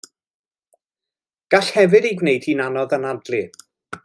Gall hefyd ei gwneud hi'n anodd anadlu.